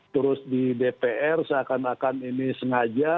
terus di dpr seakan akan ini sengaja